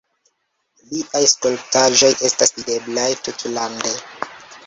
Liaj skulptaĵoj estas videblaj tutlande.